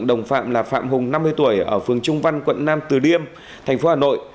đồng phạm là phạm hùng năm mươi tuổi ở phường trung văn quận nam từ liêm thành phố hà nội